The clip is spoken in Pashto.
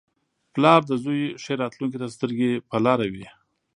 • پلار د زوی ښې راتلونکې ته سترګې په لاره وي.